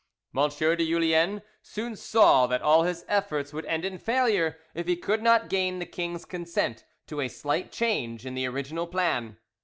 M de Julien soon saw that all his efforts would end in failure if he could not gain the king's consent to a slight change in the original plan.